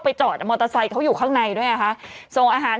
จอดมอเตอร์ไซค์เขาอยู่ข้างในด้วยอ่ะค่ะส่งอาหาร